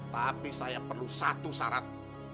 tapi saya perlu satu syarat